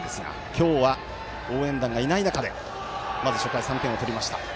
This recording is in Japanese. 今日は応援団がいない中でまず初回、３点を取りました。